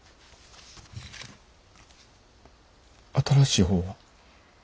新しい方は？